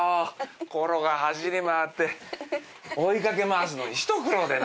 コロが走り回って追い掛け回すのに一苦労でな。